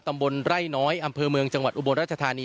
ตำบลไร่น้อยอำเภอเมืองจังหวัดอุบลรัชธานี